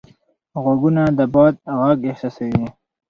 غوږونه د باد غږ احساسوي